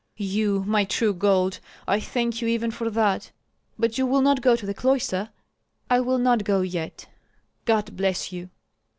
"You, my true gold! I thank you even for that. But you will not go to the cloister?" "I will not go yet." "God bless you!"